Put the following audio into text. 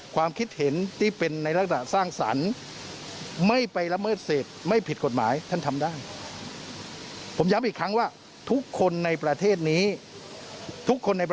ความคิดเห็นต่างได้หมดเลย